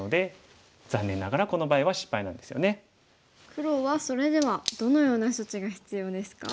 黒はそれではどのような処置が必要ですか？